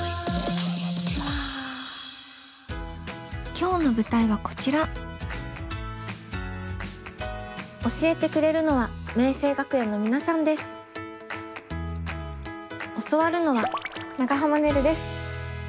今日の舞台はこちら教えてくれるのは教わるのは長濱ねるです。